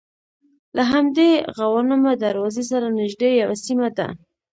له همدې غوانمه دروازې سره نژدې یوه سیمه ده.